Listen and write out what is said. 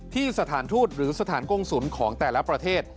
สถานทูตหรือสถานกงศูนย์ของแต่ละประเทศ